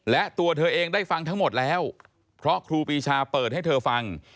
และตัวเธอเองได้ฟังทั้งหมดแล้วเพราะครูปีชาเปิดให้เธอฟัง